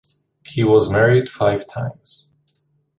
He was married five times.